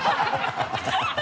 ハハハ